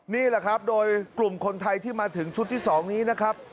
นี่แหละครับโดยกลุ่มคนไทยที่มาถึงชุดที่๒นี้นะครับ